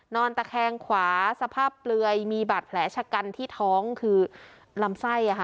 นอนตะแคงขวาสภาพเปลือยมีบาดแผลชะกันที่ท้องคือลำไส้